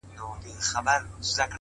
لوړ اخلاق دروازې پرانیزي